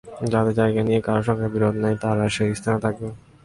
যাদের জায়গা নিয়ে কারও সঙ্গে বিরোধ নেই, তারা সেই স্থানেই থাকবে।